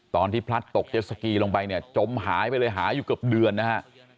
ตอนที่พลัดตกเจศกีจมหายไปเลยหายอยู่กับเดือนนะฮะ